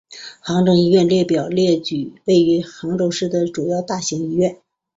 杭州医院列表列举位于杭州市的主要大型医院。